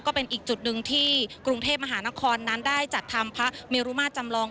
ก็เป็นอีกจุดหนึ่งที่กรุงเทพมหานครนั้นได้จัดทำพระเมรุมาตรจำลอง